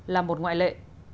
là một ngoại lệ